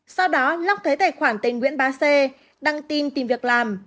sau đó long thấy tài khoản tên nguyễn ba c đăng tin tìm việc làm